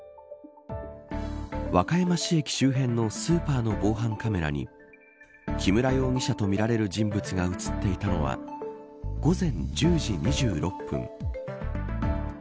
和歌山市駅周辺のスーパーの防犯カメラに木村容疑者とみられる人物が映っていたのは午前１０時２６分。